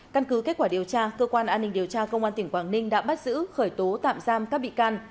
căn cứ kết quả điều tra cơ quan an ninh điều tra công an tỉnh quảng ninh đã bắt giữ khởi tố tạm giam các bị can